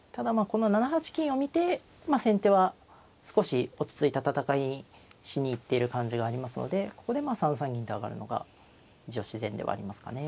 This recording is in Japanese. この７八金を見て先手は少し落ち着いた戦いしに行っている感じがありますのでここでまあ３三銀と上がるのが一応自然ではありますかね。